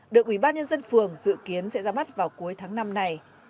được quỹ bác nhân dân phường dự kiến sẽ ra mắt vào cuối tháng năm này